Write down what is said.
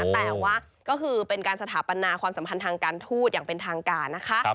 แต่ว่าก็คือเป็นการสถาปนาความสัมพันธ์ทางการทูตอย่างเป็นทางการนะคะ